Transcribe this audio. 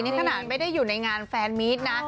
นี่ขนาดไม่ได้อยู่ในงานแฟนมีดนะ